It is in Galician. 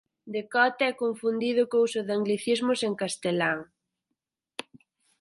Decote é confundido co uso de anglicismos en castelán.